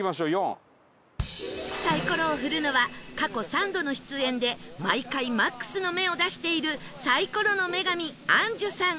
サイコロを振るのは過去３度の出演で毎回 ＭＡＸ の目を出しているサイコロの女神杏樹さん